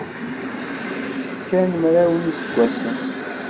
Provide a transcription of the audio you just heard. Kkan mraw n yiseggasen.